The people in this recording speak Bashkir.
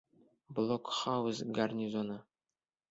БЛОКҺАУЗ ГАРНИЗОНЫ